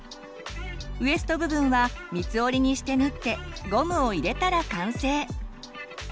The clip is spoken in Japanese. ウエスト部分は三つ折りにして縫ってゴムを入れたら完成。